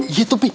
iya tuh pi